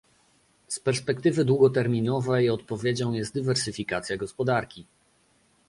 Z perspektywy długoterminowej odpowiedzią jest dywersyfikacja gospodarki